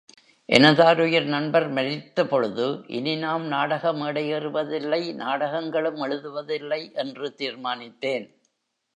எனதாருயிர் நண்பர் மரித்தபொழுது, இனி நாம் நாடக மேடையேறுவதில்லை நாடகங்களும் எழுதுவதில்லை என்று தீர்மானித்தேன்.